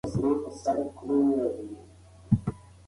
ښځه باید خپل ځان او خاوند ته ځان سينګار کړي.